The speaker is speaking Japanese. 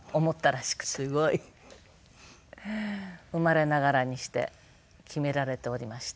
すごい！生まれながらにして決められておりました。